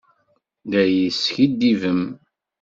La yi-teskiddibem?